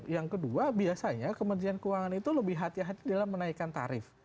yang kedua biasanya kementerian keuangan itu lebih hati hati dalam menaikkan tarif